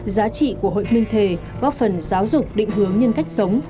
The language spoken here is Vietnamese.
giá trị của hội minh thề góp phần giáo dục định hướng nhân cách sống